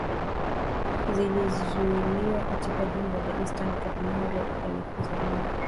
Zilizuiliwa katika jimbo la Eastern Cape mahali alipozaliwa Biko